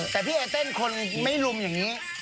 แต่พี่เอเต้นคนไม่ลุมอย่างนี้